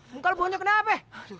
muka lo bunuh kenapa